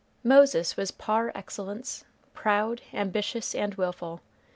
Moses was par excellence proud, ambitious, and willful.